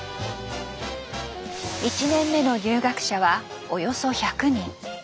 １年目の入学者はおよそ１００人。